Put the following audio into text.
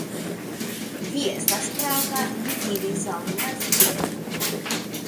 Vi estis prava, li diris al Maziero.